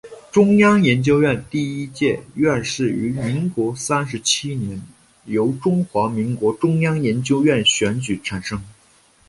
中央研究院第一届院士于民国三十七年由中华民国中央研究院选举产生。